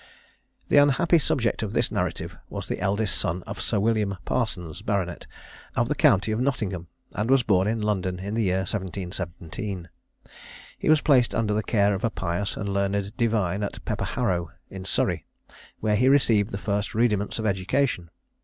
The unhappy subject of this narrative was the eldest son of Sir William Parsons, Bart., of the county of Nottingham, and was born in London in the year 1717. He was placed under the care of a pious and learned divine at Pepper harrow, in Surrey, where he received the first rudiments of education.